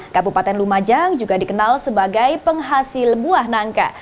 kabupaten lumajang juga dikenal sebagai penghasil buah nangka